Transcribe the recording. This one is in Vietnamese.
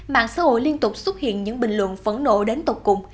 mạng xã hội liên tục xuất hiện những bình luận phẫn nộ đến tục cùng